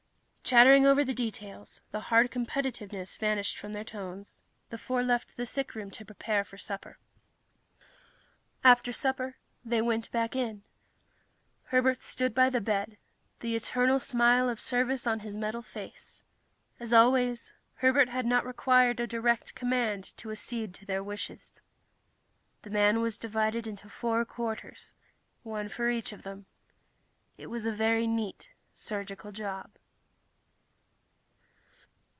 Chattering over the details, the hard competitiveness vanished from their tones, the four left the sickroom to prepare supper. After supper they went back in. Herbert stood by the bed, the eternal smile of service on his metal face. As always, Herbert had not required a direct command to accede to their wishes. The man was divided into four quarters, one for each of them. It was a very neat surgical job.